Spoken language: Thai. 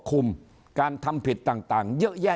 เขาก็ไปร้องเรียน